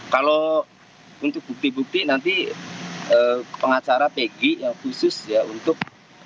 kalau untuk bukti bukti nanti pengacara peggy yang khusus untuk